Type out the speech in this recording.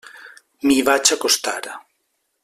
M'hi vaig acostar.